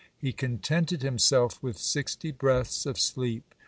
He contented himself with "sixty breaths" of sleep.